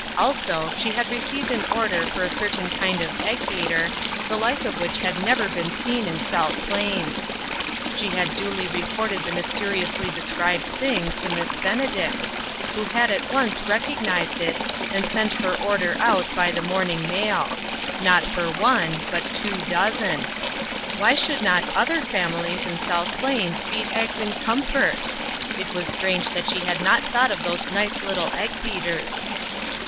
Also she had received an order for a certain kind of egg beater, the like of which had never been seen in South Plains. She had duly reported the mysteriously described thing to MisS Benedict, who had at once recognized it, 123 124 INTERRUPTED. and sent her order out by the morning mail not for one, but two dozen. Why should not other families in South Plains beat eggs in comfort ? It was strange that she had not thought of those nice little egg beaters.